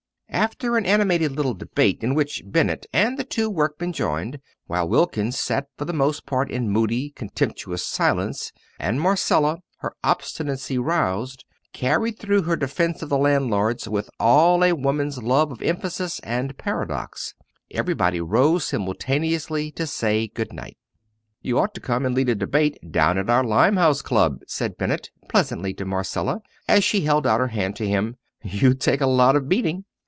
After an animated little debate, in which Bennett and the two workmen joined, while Wilkins sat for the most part in moody, contemptuous silence, and Marcella, her obstinacy roused, carried through her defence of the landlords with all a woman's love of emphasis and paradox, everybody rose simultaneously to say good night. "You ought to come and lead a debate down at our Limehouse club," said Bennett pleasantly to Marcella, as she held out her hand to him; "you'd take a lot of beating."